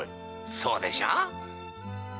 そうでしょ！